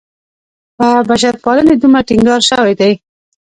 پر بشرپالنې دومره ټینګار شوی دی.